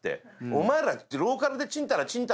お前ら」